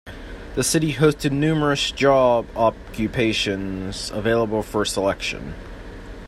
The city hosted numerous job occupations available for selection.